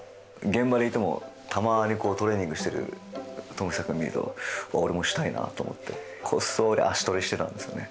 現場でいてもたまにトレーニングしてる智久君見ると俺もしたいなと思ってこっそり足トレしてたんですよね。